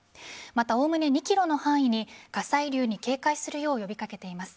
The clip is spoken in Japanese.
また、おおむね２ｋｍの範囲に火砕流に警戒するよう呼び掛けています。